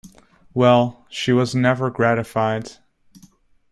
Well, she was never gratified.